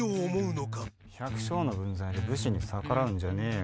百姓の分際で武士に逆らうんじゃねえよ